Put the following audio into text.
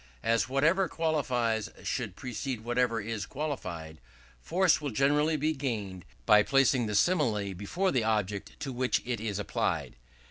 As whatever qualifies should precede whatever is qualified, force will generally be gained by placing the simile before the object to which it is applied.